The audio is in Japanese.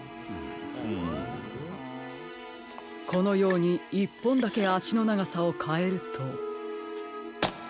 このように１ぽんだけあしのながさをかえると。